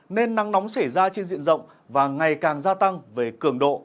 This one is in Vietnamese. nên nắng nóng xảy ra trên diện rộng và ngày càng gia tăng về cường độ